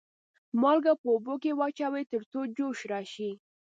مالګه په اوبو کې واچوئ تر څو جوش راشي.